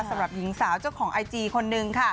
สำหรับหญิงสาวเจ้าของไอจีคนนึงค่ะ